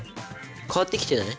変わってきてない？